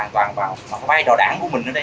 bởi hoàn toàn vào qua và đò đản của mình ở đây